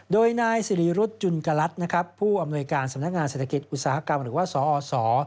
โดยนายสิริรุธจุลกรัฐนะครับผู้อำนวยการสำนักงานเศรษฐกิจอุตสาหกรรมหรือว่าสอส